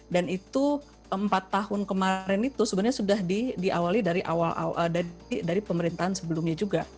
dan itu empat tahun kemarin itu sebenarnya sudah diawali dari pemerintahan sebelumnya juga